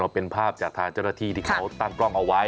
มันเป็นภาพจากธารจรฐีที่เขาตั้งปร่องเอาไว้